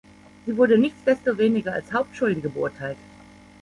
Sie wurde nichtsdestoweniger als „Hauptschuldige“ beurteilt.